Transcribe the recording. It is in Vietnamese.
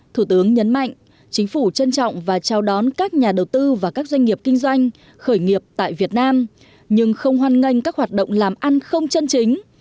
thủ tướng nhấn mạnh chính phủ trân trọng và chào đón các nhà đầu tư và các doanh nghiệp kinh doanh khởi nghiệp tại việt nam nhưng không hoan nghênh các hoạt động làm ăn không chân chính